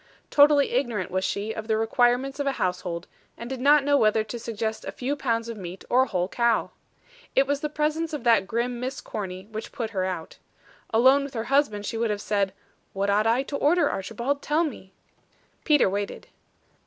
Totally ignorant was she of the requirements of a household; and did not know whether to suggest a few pounds of meat or a whole cow. It was the presence of that grim Miss Corny which put her out. Alone with her husband she would have said, "What ought I to order, Archibald? Tell me." Peter waited.